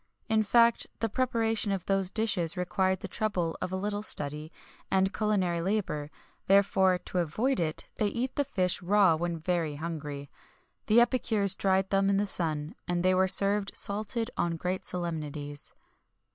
[XXI 4] In fact, the preparation of those dishes required the trouble of a little study and culinary labour; therefore, to avoid it, they eat the fish raw when very hungry; the epicures dried them in the sun, and they were served salted on great solemnities.